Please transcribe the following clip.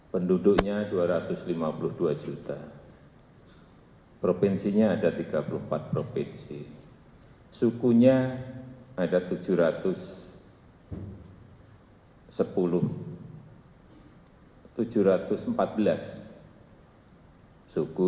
penduduknya dua ratus lima puluh dua juta provinsinya ada tiga puluh empat provinsi sukunya ada tujuh ratus sepuluh tujuh ratus empat belas suku